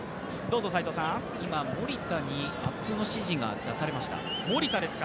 今、守田にアップの指示が出されました。